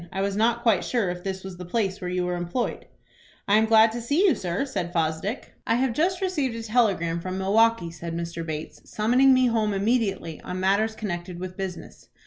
I was not quite sure if this was the place where you were employed." "I am glad to see you, sir," said Fosdick. "I have just received a telegram from Milwaukie," said Mr. Bates, "summoning me home immediately on matters connected with business.